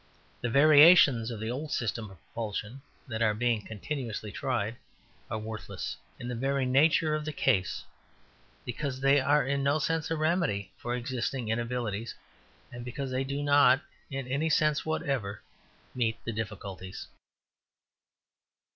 The variations of the old systems of propulsion that are being continuously tried are worthless, in the very nature of the case, because they are in no sense a remedy for existing inabilities, and because they do not, in any sense whatever, meet the difficulties.